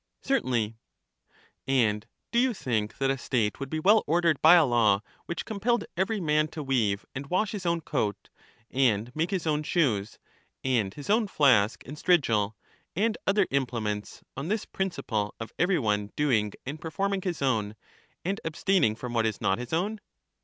Certainly. And do you think that a state would be well or dered by a law which compelled every man to weave and wash his own coat, and make his own shoes, and his own flask and strigil, and other implements, on this principle of every one doing and performing his own, and abstaining from what is not his own?